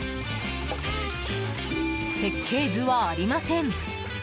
設計図はありません。